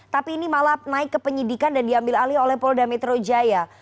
tapi ini malah naik ke penyidikan dan diambil alih oleh polda metro jaya